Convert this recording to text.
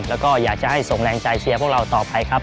แล้วก็อยากจะให้ส่งแรงใจเชียร์พวกเราต่อไปครับ